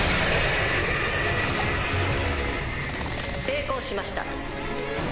成功しました。